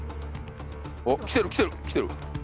おっ来てる来てる来てる！